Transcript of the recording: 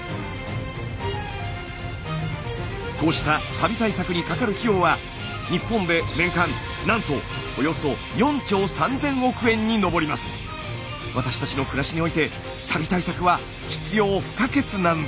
こうしたサビ対策にかかる費用は日本で年間なんとおよそ私たちの暮らしにおいてサビ対策は必要不可欠なんです。